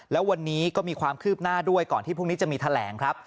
แล้ววันนี้ก็มีความคืบหน้าด้วยก่อนที่พรุ่งนี้จะมีแถลงครับ